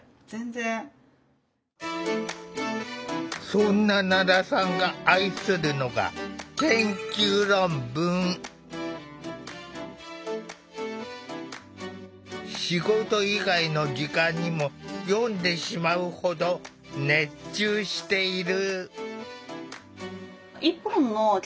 そんな奈良さんが愛するのが仕事以外の時間にも読んでしまうほど熱中している。